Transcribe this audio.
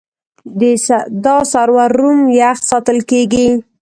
دا سرور روم یخ ساتل کېږي.